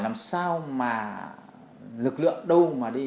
làm sao mà lực lượng đâu mà đi